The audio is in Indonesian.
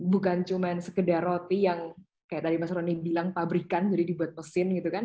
bukan cuma sekedar roti yang kayak tadi mas roni bilang pabrikan jadi dibuat mesin gitu kan